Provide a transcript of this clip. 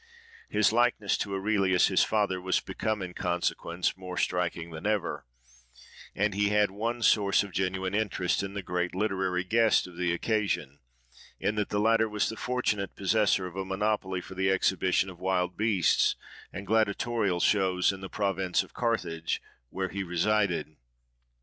His likeness to Aurelius, his father, was become, in consequence, more striking than ever; and he had one source of genuine interest in the great literary guest of the occasion, in that the latter was the fortunate possessor of a monopoly for the exhibition of wild beasts and gladiatorial shows in the province of Carthage, where he resided.